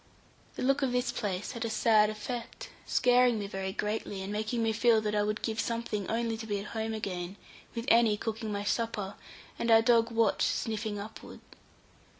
The look of this place had a sad effect, scaring me very greatly, and making me feel that I would give something only to be at home again, with Annie cooking my supper, and our dog Watch sniffing upward.